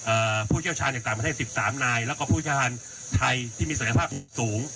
ผู้เชี่ยวชาญจากต่างประเทศสิบสามนายแล้วก็ผู้เชี่ยวชาญไทยที่มีศักยภาพสูง